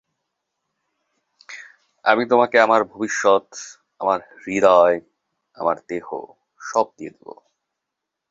আমি তোমাকে আমার ভবিষ্যৎ, আমার হৃদয়, আমার দেহ সব দিয়ে দেব।